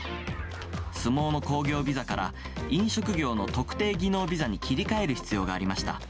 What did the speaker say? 相撲の興行ビザから飲食業の特定技能ビザに切り替える必要がありました。